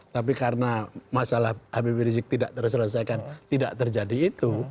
tapi karena masalah habib rizik tidak terselesaikan tidak terjadi itu